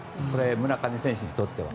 村上選手にとっては。